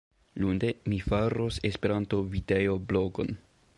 Lunde, mi faros Esperanto-videoblogon.